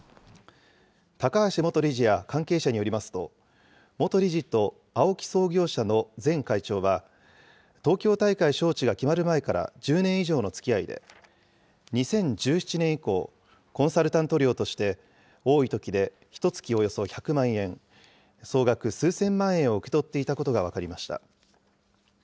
高橋元理事や関係者によりますと、元理事とＡＯＫＩ創業者の前会長は、東京大会招致が決まる前から、１０年以上のつきあいで、２０１７年以降、コンサルタント料として、多いときでひとつきおよそ１００万円、総額数千万円を受け取っていたことが分かりました。